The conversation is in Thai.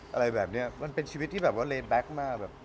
อะไรแบบนี้มันเป็นชีวิตที่เรนด์แบคมาก